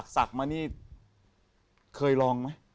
สักมานี่เคยลองมั้ย